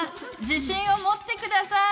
自信を持って下さい！